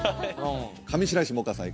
上白石萌歌さん